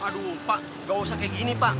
aduh pak gak usah kayak gini pak